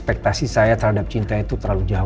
ekspektasi saya terhadap cinta itu terlalu jauh